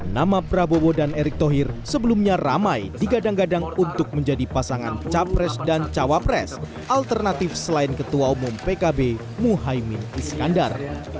nama prabowo dan erick thohir sebelumnya ramai digadang gadang untuk menjadi pasangan capres dan cawapres alternatif selain ketua umum pkb muhaymin iskandar